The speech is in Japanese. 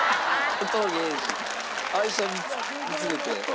「小峠英二愛車見つめて」